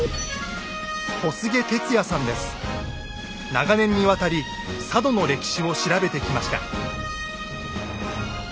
長年にわたり佐渡の歴史を調べてきました。